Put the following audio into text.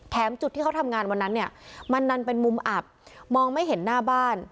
จุดที่เขาทำงานวันนั้นเนี่ยมันดันเป็นมุมอับมองไม่เห็นหน้าบ้าน